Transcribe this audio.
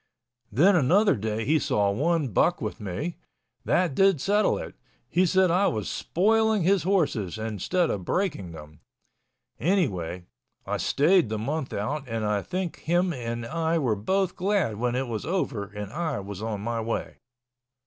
Then another day he saw one buck with me—that did settle it. He said I was spoiling his horses instead of breaking them. Anyway, I stayed the month out and I think him and I were both glad when it was over and I was on my way.